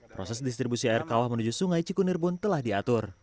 proses distribusi air kawah menuju sungai cikunir pun telah diatur